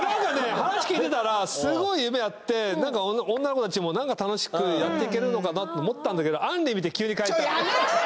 話聞いてたらすごい夢あって女の子たちも楽しくやっていけるのかなと思ったんだけどちょやめてよ！